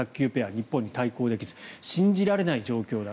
日本に対抗できず信じられない状況だ